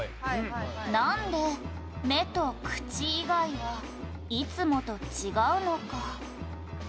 「なんで目と口以外はいつもと違うのか？」